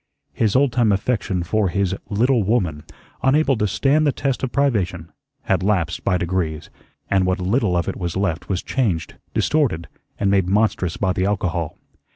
His old time affection for his "little woman," unable to stand the test of privation, had lapsed by degrees, and what little of it was left was changed, distorted, and made monstrous by the alcohol.